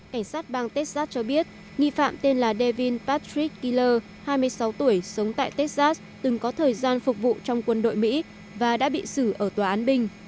cảnh sát bang texas cho biết nghi phạm tên là davin pastrick giller hai mươi sáu tuổi sống tại texas từng có thời gian phục vụ trong quân đội mỹ và đã bị xử ở tòa án binh